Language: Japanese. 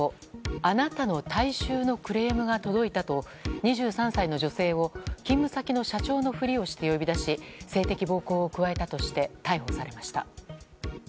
あなたの体臭のクレームが届いたと２３歳の女性を、勤務先の社長のふりをして呼び出し性的暴行を加えたとして逮捕されました。